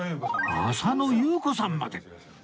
浅野ゆう子さんまで！